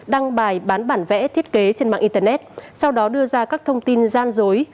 đăng bài bán bản vẽ thiết kế trên mạng internet sau đó đưa ra các thông tin gian dối